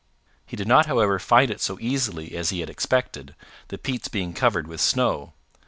He did not however find it so easily as he had expected, the peats being covered with snow.